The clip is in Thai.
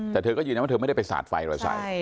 แต่เธอก็ยืนนะว่าไม่ได้ไปสาดไฟเลยใช่